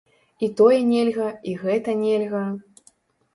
І тое нельга, і гэта нельга.